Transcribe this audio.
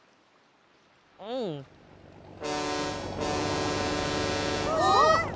うん。あっ！